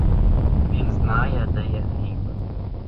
Він знає, де є хліб.